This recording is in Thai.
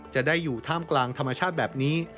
จะได้อยู่ท่ามกลางธรรมชาติแบบนี้